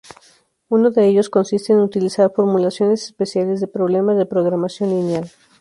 Uno de ellos consiste en utilizar formulaciones especiales de problemas de programación lineal.